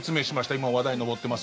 今、話題に上ってます